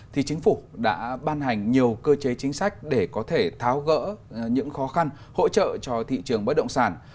thì chính phủ đã ban hành nhiều cơ chế chính sách để có thể tháo gỡ những khó khăn hỗ trợ cho thị trường bất động sản